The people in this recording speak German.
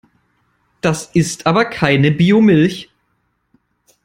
Das ist aber keine Biomilch!